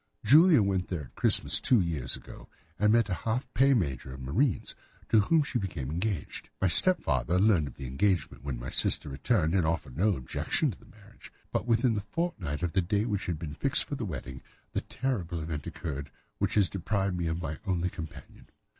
Julia went there at Christmas two years ago, and met there a half pay major of marines, to whom she became engaged. My stepfather learned of the engagement when my sister returned and offered no objection to the marriage; but within a fortnight of the day which had been fixed for the wedding, the terrible event occurred which has deprived me of my only companion."